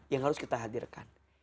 yang harus kita hadirkan